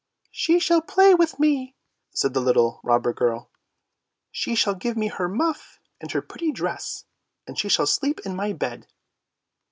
" She shall play with me," said the little robber girl; " she shall give me her muff, and her pretty dress, and she shall sleep in my bed."